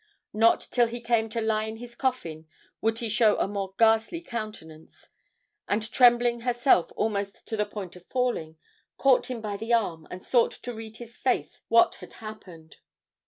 Not till he came to lie in his coffin would he show a more ghastly countenance; and trembling herself almost to the point of falling, caught him by the arm and sought to read his face what had happened.